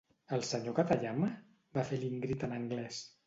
El senyor Katayama? —va fer l'Ingrid en anglès.